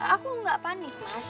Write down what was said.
aku gak panik mas